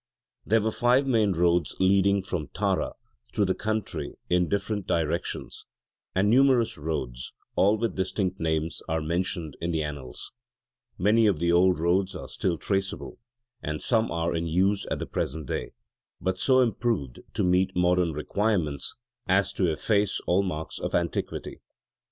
There were five main roads leading from Tara through the country in different directions: and numerous roads all with distinct names are mentioned in the annals. Many of the old roads are still traceable: and some are in use at the present day, but so improved to meet modern requirements as to efface all marks of antiquity.